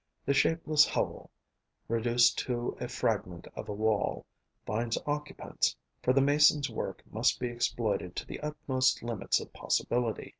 The shapeless hovel, reduced to a fragment of a wall, finds occupants, for the Mason's work must be exploited to the utmost limits of possibility.